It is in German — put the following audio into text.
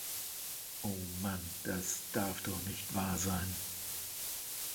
Oh man, das darf doch nicht wahr sein!